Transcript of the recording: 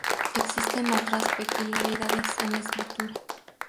Existen otras peculiaridades en la escritura.